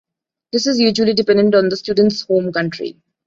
This is usually dependent on the students' home country.